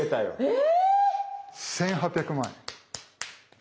え！